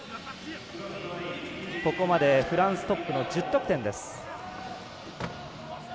ここまでフランストップの１０得点です。